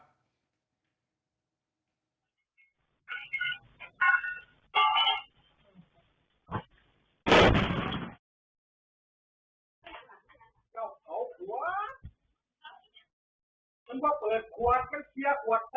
เจ้าเขาหัวมันก็เปิดขวดกับเชียวขวดใส